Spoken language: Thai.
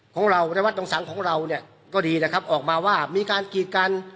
ของเราในวัดตรงสังของเราเนี่ยก็ดีนะครับออกมาว่ามีการกีดกัน